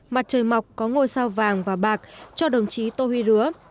mặt trời mọc có ngôi sao vàng và bạc cho đồng chí tô huy lứa